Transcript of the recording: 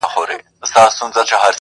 له هغې ورځي پيشو له ما بېرېږي-